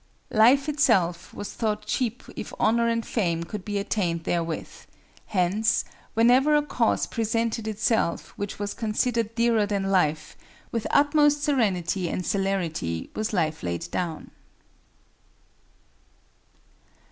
Life itself was thought cheap if honor and fame could be attained therewith: hence, whenever a cause presented itself which was considered dearer than life, with utmost serenity and celerity was life laid down.